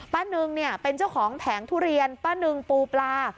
นึงเนี่ยเป็นเจ้าของแผงทุเรียนป้าหนึ่งปูปลา